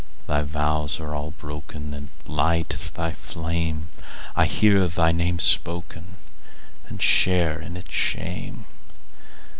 Thy vows are all broken, And light is thy fame:I hear thy name spokenAnd share in its shame.